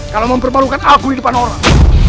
kalau mempermalukan aku di depan orang